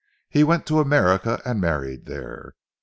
He went to America and married there.